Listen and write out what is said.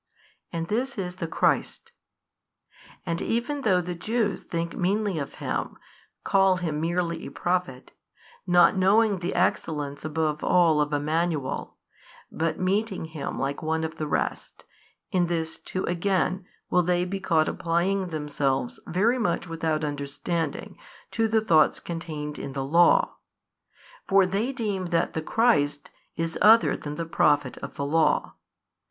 and this is the Christ. And even though the Jews thinking meanly of Him, call Him merely a Prophet, not knowing the excellence above all of Emmanuel, but meting Him like one of the rest, in this too again will they be caught applying themselves very much without understanding to the thoughts contained in the Law: for they deem that the Christ is other than the Prophet of the Law.